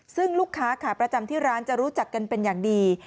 ซึ่งลูกค้าขาประจำที่ร้านจะรู้จักกันเป็นอย่างดี